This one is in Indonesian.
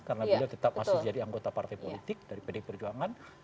karena beliau tetap masih jadi anggota partai politik dari pdi perjuangan